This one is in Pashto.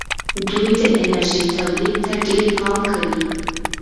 دوی د انرژۍ تولید ته ډېر پام کوي.